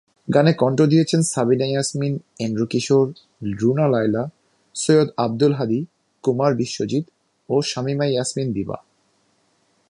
গানে কণ্ঠ দিয়েছেন সাবিনা ইয়াসমিন, এন্ড্রু কিশোর, রুনা লায়লা, সৈয়দ আব্দুল হাদী, কুমার বিশ্বজিৎ ও শামীমা ইয়াসমিন দিবা।